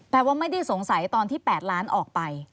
ว่าไม่ได้สงสัยตอนที่๘ล้านออกไป